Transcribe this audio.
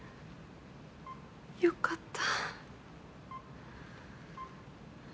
よかった。